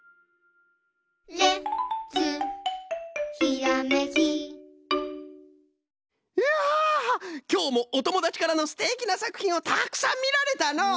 いやきょうもおともだちからのすてきなさくひんをたくさんみられたのう。